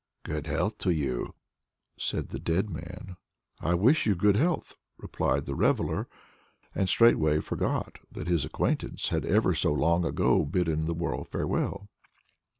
"Good health to you!" said the dead man. "I wish you good health!" replied the reveller, and straight way forgot that his acquaintance had ever so long ago bidden the world farewell.